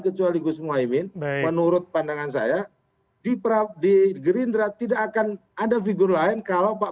kecuali gus muhaymin menurut pandangan saya di prab di gerindra tidak akan ada figur lain kalau pak